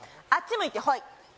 「あっち向いてホイ」